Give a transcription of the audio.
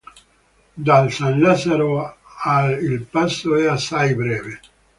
Dal S. Lazzaro al il passo è assai breve.